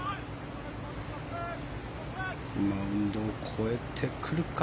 マウンドを越えてくるか。